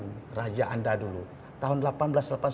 jadi raja anda itu sudah berusaha untuk membangun istana ini